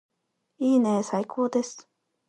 いいねーー最高です